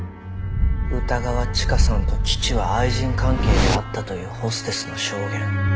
歌川チカさんと父は愛人関係であったというホステスの証言。